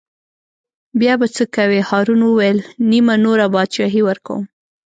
بیا به څه کوې هارون وویل: نیمه نوره بادشاهي ورکووم.